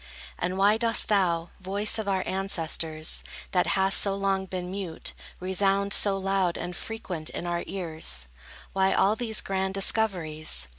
And why dost thou, voice of our ancestors, That hast so long been mute, Resound so loud and frequent in our ears? Why all these grand discoveries?